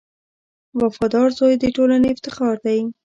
• وفادار زوی د ټولنې افتخار دی.